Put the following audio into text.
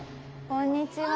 こんにちは。